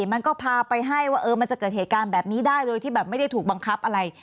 มันก็พาไปให้ว่ามันจะเกิดเหตุการณ์แบบนี้ได้โดยที่แบบไม่ได้ถูกบังคับอะไร